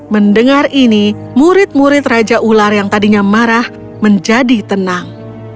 mendengar ini murid murid raja ular yang tadinya marah menjadi tenang